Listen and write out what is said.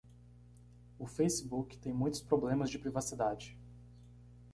O Facebook tem muitos problemas de privacidade.